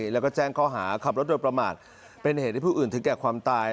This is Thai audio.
แล้วก็แจ้งข้อหาขับรถโดยประมาทเป็นเหตุให้ผู้อื่นถึงแก่ความตาย